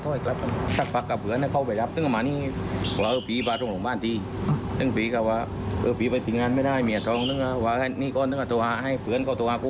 ตอบหน้าให้ได้คืน